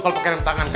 kalau pakai rem tangan